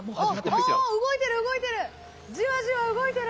動いてる動いてる。